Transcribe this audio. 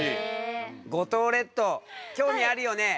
五島列島興味あるよね。